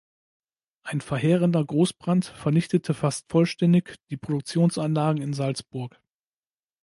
Ein verheerender Großbrand vernichtete fast vollständig die Produktionsanlagen in Salzburg.